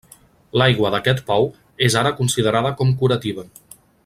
L'aigua d'aquest pou és ara considerada com curativa.